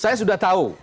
saya sudah tahu